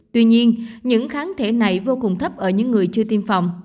tuy nhiên những kháng thể này vô cùng thấp ở những người chưa tiêm phòng